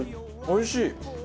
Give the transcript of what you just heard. おいしい。